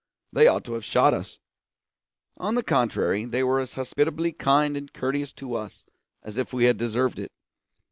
They ought to have shot us; on the contrary, they were as hospitably kind and courteous to us as if we had deserved it.